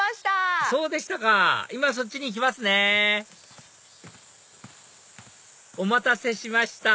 そうでしたか今そっちに行きますねお待たせしました！